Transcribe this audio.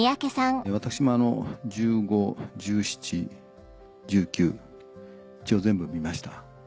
私も１５１７１９一応全部見ました。